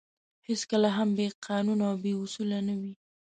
هېڅکله هم بې قانونه او بې اُصولو نه وې.